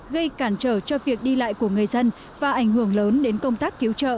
gây cản trở cho việc đi lại của người dân và ảnh hưởng lớn đến công tác cứu trợ